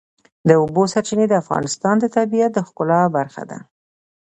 د اوبو سرچینې د افغانستان د طبیعت د ښکلا برخه ده.